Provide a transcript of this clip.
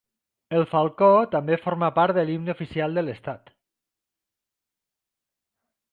El falcó també forma part de l'himne oficial de l'estat.